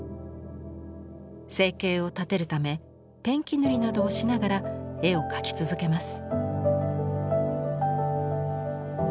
生計を立てるためペンキ塗りなどをしながら絵を描き続けます。